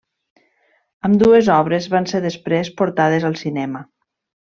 Ambdues obres van ser després portades al cinema.